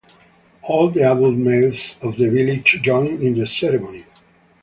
All the adult males of the village join in the ceremony.